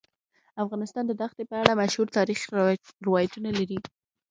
افغانستان د دښتې په اړه مشهور تاریخی روایتونه لري.